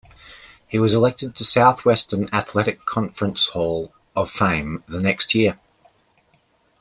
He was elected to the Southwestern Athletic Conference Hall of Fame the next year.